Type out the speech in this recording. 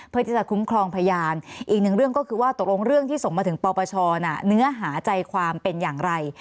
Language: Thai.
เพื่อที่จะคุ้มครองพยานอีกหนึ่งเรื่องก็คือว่าตกลงเรื่องที่ส่งมาถึงปปชนะเนื้อหาใจความเป็นอย่างไร